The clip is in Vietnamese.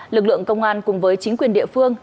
lực lượng công an cùng với chính quyền địa phương